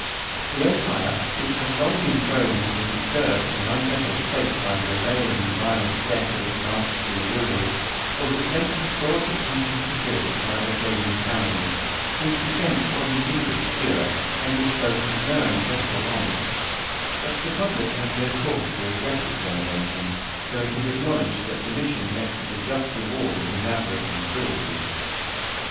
The empire, which had been long thrown into a disturbed and unsetted state, by the rebellion and violent death of its three last rulers, was at length restored to peace and security by the Flavian family, whose descent was indeed obscure, and which boasted no ancestral honours; but the public had no cause to regret its elevation; though it is acknowledged that Domitian met with the just reward of his avarice and cruelty.